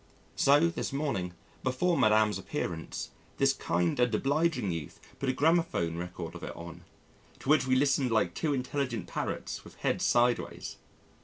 So this morning, before Madame's appearance, this kind and obliging youth put a gramophone record of it on, to which we listened like two intelligent parrots with heads sideways.